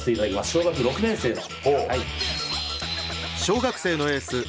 小学６年生の。